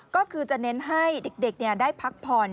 ก็คือจะเน้นให้เด็กได้พักผ่อน